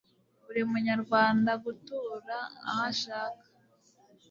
buri munyarwanda gutura aho ashaka